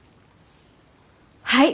はい！